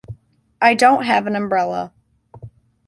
I don’t have an umbrella.